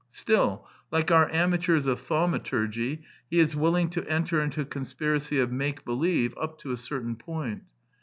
Still, like our amateurs of thaumaturgy, he is will ing to enter into a conspiracy of make believe up to a certain point.